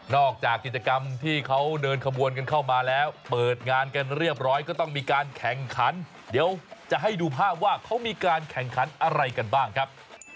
จากกิจกรรมที่เขาเดินขบวนกันเข้ามาแล้วเปิดงานกันเรียบร้อยก็ต้องมีการแข่งขันเดี๋ยวจะให้ดูภาพว่าเขามีการแข่งขันอะไรกันบ้างครับ